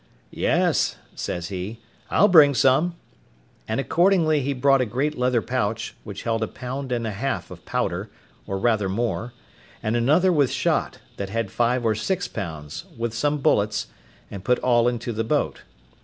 "Yes," says he, "I'll bring some;" and accordingly he brought a great leather pouch, which held a pound and a half of powder, or rather more; and another with shot, that had five or six pounds, with some bullets, and put all into the boat.